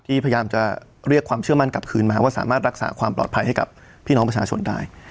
พยายามจะเรียกความเชื่อมั่นกลับคืนมาว่าสามารถรักษาความปลอดภัยให้กับพี่น้องประชาชนได้